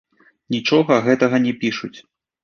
Нічога гэтага не пішуць.